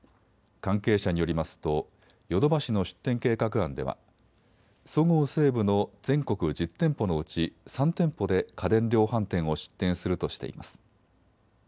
関係者によりますとヨドバシの出店計画案ではそごう・西武の全国１０店舗のうち３店舗で家電量販店を出店するとしています。